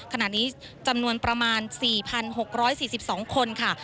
ขณะนี้จำนวนประมาณ๔๖๔๒คนค่ะ